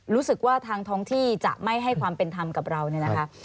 รู้สึกว่าทางท้องที่จะไม่ให้ความเป็นธรรมกับเราเนี่ยนะคะ